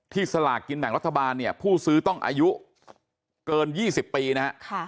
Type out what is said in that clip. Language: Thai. ที่สลากกินแบ่งรัฐบาลผู้ซื้อต้องอายุเกิน๒๐ปีนะครับ